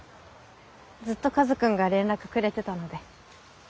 ずっとカズくんが連絡くれてたので。